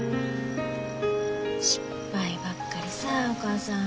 失敗ばっかりさぁお母さん。